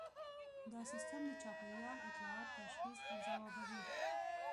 دا سیستم د چاپیریال اطلاعات تشخیص او ځوابوي